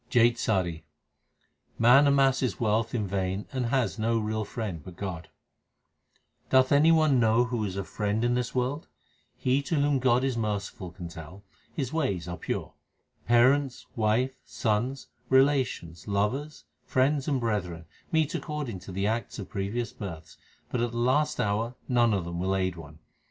JAITSARI Man amasses wealth in vain and has no real friend but God : Doth any one know who is a friend in this world ? He to whom God is merciful can tell ; his ways are pure. Parents, wife, sons, relations, lovers, friends, and brethren, Meet according to the acts of previous births, but at the last hour none of them will aid one.